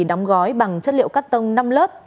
đóng gói bằng chất liệu cắt tông năm lớp